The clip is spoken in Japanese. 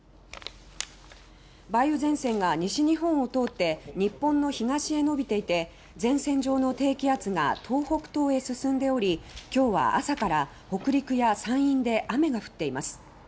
梅雨前線が西日本を通って日本の東へのびていて前線上の低気圧が東北東へ進んでおりきょうは朝から北陸や山陰で雨が降っています。